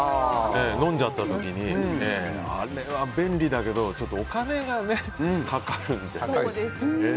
飲んじゃった時にあれは便利だけどお金がかかるのでね。